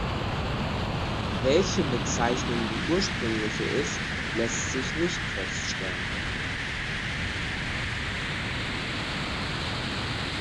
Welche Bezeichnung die Ursprüngliche ist, lässt sich nicht feststellen.